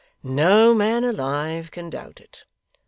'No man alive can doubt it.